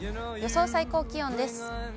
予想最高気温です。